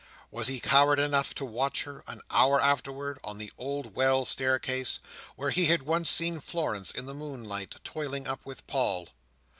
Was he coward enough to watch her, an hour afterwards, on the old well staircase, where he had once seen Florence in the moonlight, toiling up with Paul?